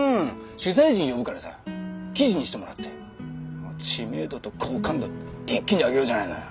取材陣呼ぶからさ記事にしてもらって知名度と好感度一気に上げようじゃないのよ。